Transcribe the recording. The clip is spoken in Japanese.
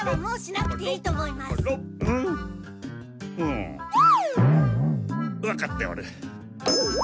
あわかっておる。